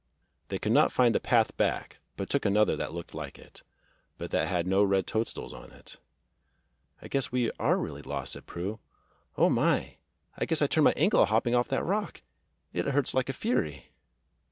They could not find the path back, but took another that looked like it, but that had no red toadstools on it. "I guess we are really lost," said Prue. "Oh, my! I guess I turned my ankle hopping off that rock. It hurts like fury."